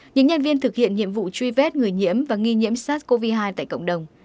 những nhân viên thực hiện nhiệm vụ truy vết người nhiễm và nghi nhiễm sars cov hai tại cộng đồng